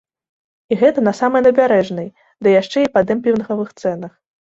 І гэта на самай набярэжнай, ды яшчэ і па дэмпінгавых цэнах.